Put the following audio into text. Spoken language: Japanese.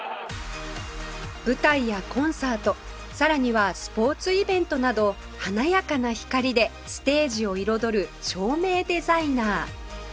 舞台やコンサートさらにはスポーツイベントなど華やかな光でステージを彩る照明デザイナー